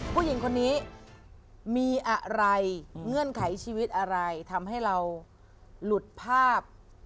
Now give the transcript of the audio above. ผู้หญิงคนนี้มีอะไรเงื่อนไขชีวิตอะไรทำให้เราหลุดภาพ